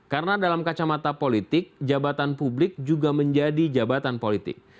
karena dalam kacamata politik jabatan publik juga menjadi jabatan publik